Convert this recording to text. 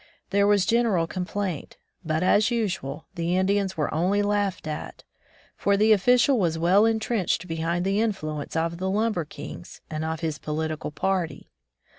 There was general complaint, but as usual, the Indians were only laughed at, for the official was well entrenched behind the influence of the lumber kings, and of his political party.